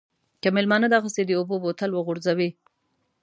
که مېلمانه دغسې د اوبو بوتل وغورځوي.